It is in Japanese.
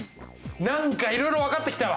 何かいろいろ分かってきたわ。